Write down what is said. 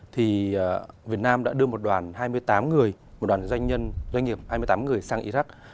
thì việt nam đã đưa một đoàn hai mươi tám người một đoàn doanh nhân doanh nghiệp hai mươi tám người sang iraq